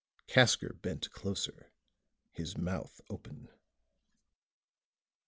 Casker bent closer, his mouth open.